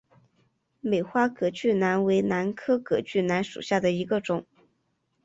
美花隔距兰为兰科隔距兰属下的一个种。